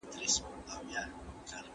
پښتو ژبه زموږ د کلتور ساتونکې ده.